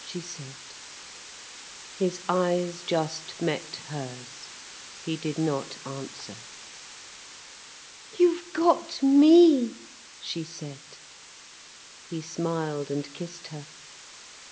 she said. His eyes just met hers. He did not answer. "You've got me," she said. He smiled and kissed her.